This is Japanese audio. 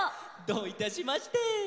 どういたしまして。